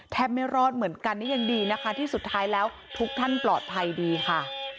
ไม่รอดเหมือนกันนี่ยังดีนะคะที่สุดท้ายแล้วทุกท่านปลอดภัยดีค่ะ